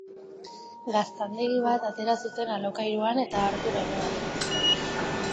Gaztandegi bat atera zuten alokairuan eta hartu genuen.